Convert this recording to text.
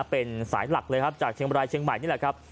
เป็นสายหลักเลยครับจากเชียงบรายเชียงใหม่นี่แหละครับ